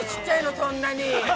そんなに。